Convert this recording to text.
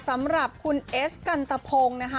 สำหรับคุณเอสกันตะพงนะคะ